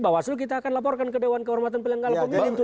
bawaslu kita akan laporkan ke dewan kehormatan pelanggal komunik